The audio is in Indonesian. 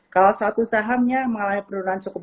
kalau satu sahamnya malah penurunan cukup